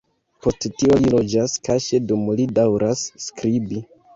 Post tio li loĝas kaŝe dum li daŭras skribi.